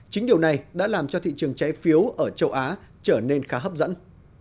chính điều này đã làm cho thị trường trái phiếu ở châu á trở nên khá hấp dẫn